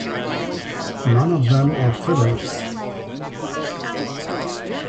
None of them are fillers.